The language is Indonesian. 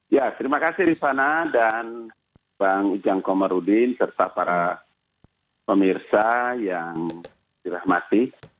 ya terima kasih rifana dan bang ujang komarudin serta para pemirsa yang dirahmati